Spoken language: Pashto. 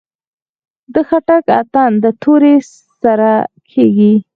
د خټک اتن د تورې سره کیږي.